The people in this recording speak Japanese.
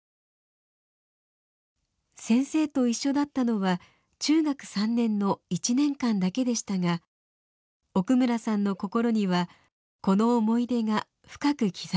先生と一緒だったのは中学３年の１年間だけでしたが奥村さんの心にはこの思い出が深く刻まれました。